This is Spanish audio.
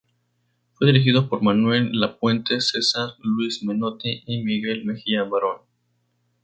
Fue dirigido por Manuel Lapuente, Cesar Luis Menotti y Miguel Mejía Barón.